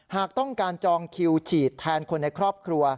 หากต้องการจองคิวฉีดแทนคนในครอบครัว